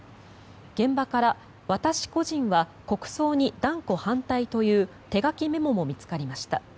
現場から私個人は国葬に断固反対という手書きメモも見つかりました。